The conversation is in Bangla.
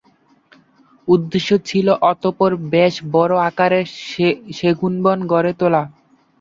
উদ্দেশ্য ছিল অতঃপর বেশ বড় আকারের সেগুনবন গড়ে তোলা।